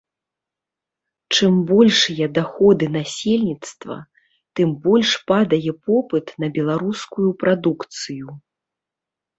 Чым большыя даходы насельніцтва, тым больш падае попыт на беларускую прадукцыю.